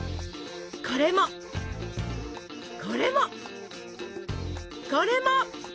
これも。これも。これも！